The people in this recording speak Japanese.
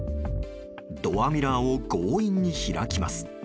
ドアミラーを強引に開きます。